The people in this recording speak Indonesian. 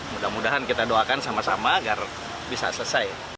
mudah mudahan kita doakan sama sama agar bisa selesai